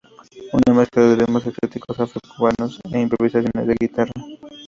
Una mezcla de ritmos exóticos afro-cubanos e improvisaciones de guitarra.